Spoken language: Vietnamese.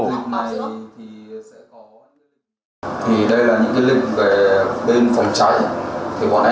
đây là những lịch về phòng cháy